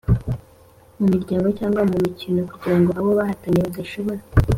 mu mirwano cyangwa mu mikino kugira ngo abo bahatanye badashobora